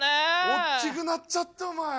おっきくなっちゃってお前。